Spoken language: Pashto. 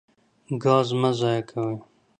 ګاز مه ضایع کوئ.